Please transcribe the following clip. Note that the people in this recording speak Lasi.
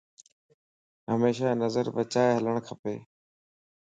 ھميشا نظر بچائي ھلڻ کپ